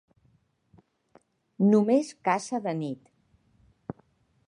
Només caça de nit.